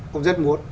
cũng rất muốn